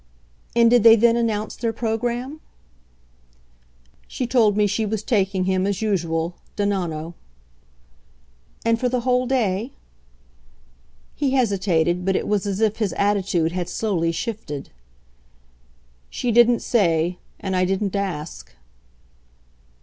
"And did they then announce their programme?" "She told me she was taking him, as usual, da nonno." "And for the whole day?" He hesitated, but it was as if his attitude had slowly shifted. "She didn't say. And I didn't ask."